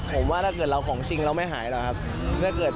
ผมว่าถ้าเกิดเราของจริงเราไม่หายหรอกครับ